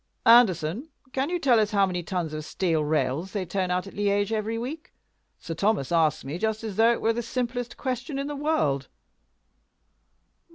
"Anderson, can you tell us how many tons of steel rails they turn out at Liege every week? Sir Thomas asks me, just as though it were the simplest question in the world."